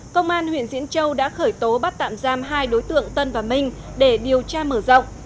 công an huyện diễn châu đã khởi tố bắt tạm giam hai đối tượng tân và minh để điều tra mở rộng